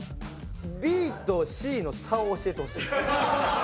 ＢとＣの差を教えてほしい。